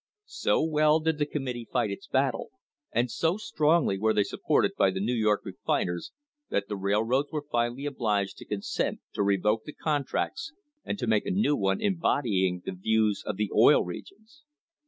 So well did the committee fight its battle and so strongly were they supported by the New York refiners that the railroads were finally obliged to consent to revoke the contracts and to make a new one embody ing the views of the Oil Regions.